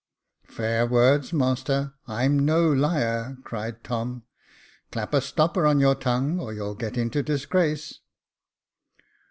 Fair words, master; I'm no liar," cried Tom. Clap a stopper on your tongue, or you'll get into disgrace."